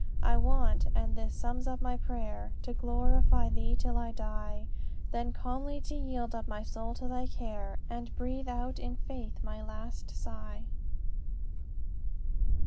"'I want and this sums up my prayer To glorify thee till I die; Then calmly to yield up my soul to thy care, And breathe out in faith my last sigh.'"